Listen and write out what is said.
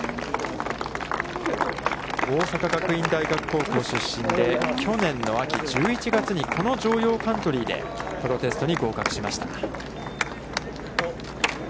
大阪学院大学高校出身で、去年の秋、１１月にこの城陽カントリーでプロテストに合格しました。